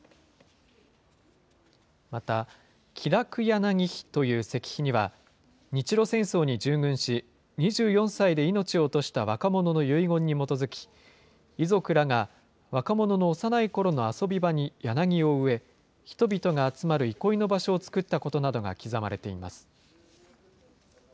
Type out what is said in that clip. また、喜楽柳碑という石碑には、日露戦争に従軍し、２４歳で命を落とした若者の遺言に基づき、遺族らが若者の幼いころの遊び場に柳を植え、人々が集まる憩いの場所を造ったことなどが刻まれています。